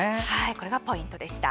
これがポイントでした。